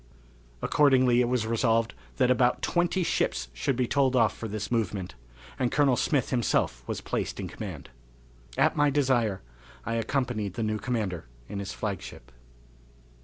Accordingly it was resolved that about twenty ships should be told off for this movement, and Colonel Smith himself was placed in command. At my desire I accompanied the new commander in his flagship.